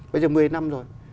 bây giờ một mươi năm rồi